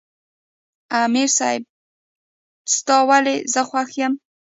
" امیر صېب ستا ولې زۀ خوښ یم" ـ